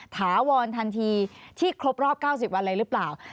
ถาวรทันทีที่ครบรอบ๙๐วันอะไรหรือเปล่า